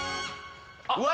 うわ！